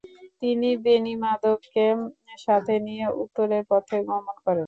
তিনি বেণীমাধবকে সাথে নিয়ে উত্তরের পথে গমন করেন।